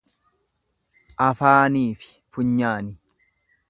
Afaaniifi funyaani.